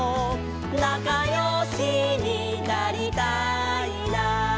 「なかよしになりたいな」